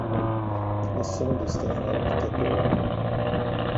A sonda está em órbita polar